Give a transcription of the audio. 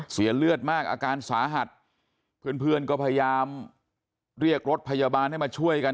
เสียเลือดมากอาการสาหัสเพื่อนเพื่อนก็พยายามเรียกรถพยาบาลให้มาช่วยกัน